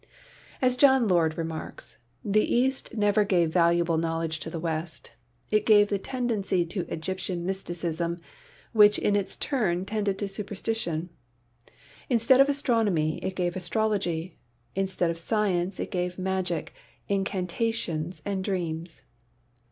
As John Lord remarks, "The East never gave valuable knowledge to the West; it gave the tendency to Egyptian mysticism, which in its turn tended to superstition. Instead of astronomy, it gave astrology; instead of science, it gave magic, incantations and dreams."